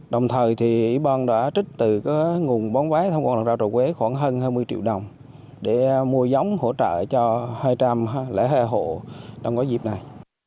đồng thời thì ủy ban đã trích từ nguồn bón bái thông qua rau trà quế khoảng hơn hai mươi triệu đồng để mua giống hỗ trợ cho hai trăm linh lễ hệ hộ trong dịp này